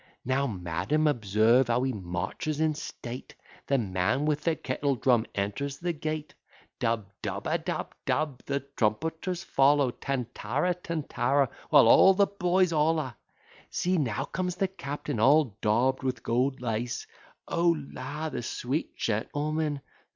Now, madam, observe how he marches in state: The man with the kettle drum enters the gate: Dub, dub, adub, dub. The trumpeters follow. Tantara, tantara; while all the boys holla. See now comes the captain all daub'd with gold lace: O la! the sweet gentleman!